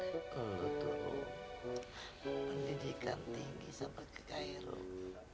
umi tuh pendidikan tinggi sampai kekairan